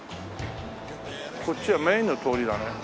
こっちはメインの通りだね。